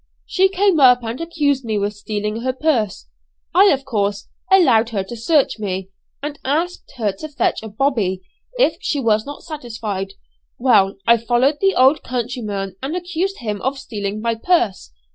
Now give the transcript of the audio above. She came up and accused me with stealing her purse. I, of course, allowed her to search me, and asked her to fetch a 'bobby,' if she was not satisfied. Well, I followed the old countryman and accused him of stealing my purse.